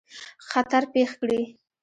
خطر پېښ کړي.